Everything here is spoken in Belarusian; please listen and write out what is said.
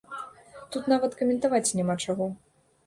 Тут нават каментаваць няма чаго!